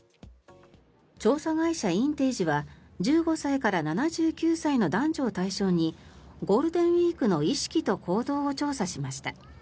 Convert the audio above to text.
調査会社インテージは１５歳から７９歳の男女を対象にゴールデンウィークの意識と行動を調査しました。